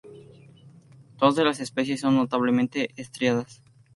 Dos de las especies son notablemente estriadas.